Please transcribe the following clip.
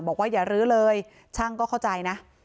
อย่ารื้อเลยช่างก็เข้าใจนะ